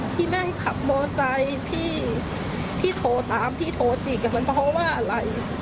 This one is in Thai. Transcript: พี่น่าให้ขับโมไซพี่โทตามพี่โทจีกมันเพราะว่าอะไร